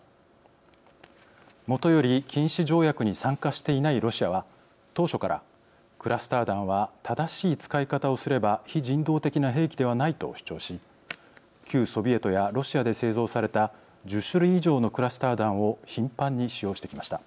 もとより禁止条約に参加していないロシアは当初からクラスター弾は正しい使い方をすれば非人道的な兵器ではないと主張し旧ソビエトやロシアで製造された１０種類以上のクラスター弾を頻繁に使用してきました。